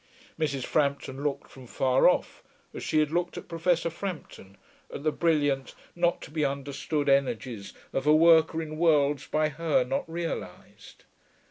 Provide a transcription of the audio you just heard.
Mrs. Frampton looked from far off, as she had looked at Professor Frampton, at the brilliant, not to be understood energies of a worker in worlds by her not realised.